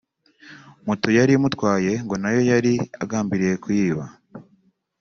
Moto yari imutwaye ngo na yo yari agambiriye kuyiba